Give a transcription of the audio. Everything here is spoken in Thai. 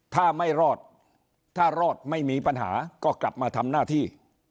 ถ้าไม่รอดถ้ารอดไม่มีปัญหาก็กลับมาทำหน้าที่